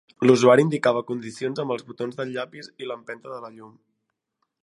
L'usuari indicava condicions amb els botons del llapis i l'empenta de la llum.